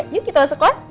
yuk kita masuk kelas